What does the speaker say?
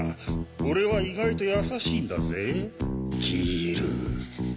俺は意外と優しいんだぜキール。